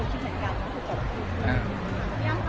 พี่เอ็มเค้าเป็นระบองโรงงานหรือเปลี่ยนไงครับ